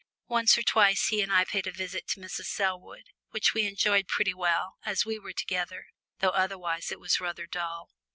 Once or twice he and I paid a visit to Mrs. Selwood, which we enjoyed pretty well, as we were together, though otherwise it was rather dull.